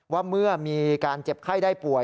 ว่าเมื่อมีการเจ็บไข้ได้ป่วย